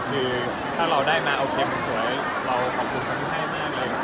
คือถ้าเราได้มาโอเคสวยเราขอบคุณคนที่ให้มากเลย